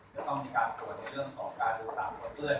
จะต้องมีการตรวจในเรื่องของการประสานกับเพื่อน